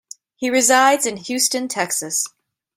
He resides in Houston, Texas.